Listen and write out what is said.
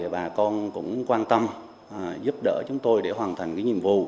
bà con cũng quan tâm giúp đỡ chúng tôi để hoàn thành nhiệm vụ